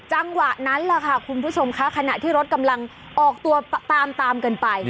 จังหวะนั้นแหละค่ะคุณผู้ชมคะขณะที่รถกำลังออกตัวตามกันไป